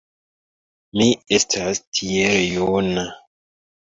Mi estas tiel juna!